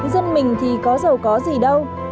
dân mình thì có giàu có gì đâu